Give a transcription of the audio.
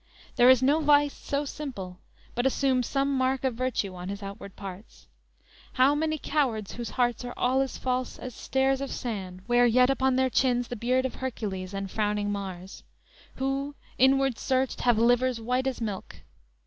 There is no vice so simple, but assumes Some mark of virtue on his outward parts! How many cowards whose hearts are all as false As stairs of sand, wear yet upon their chins The beard of Hercules, and frowning Mars; Who, inward searched, have livers white as milk?